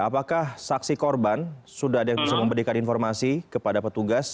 apakah saksi korban sudah ada yang bisa memberikan informasi kepada petugas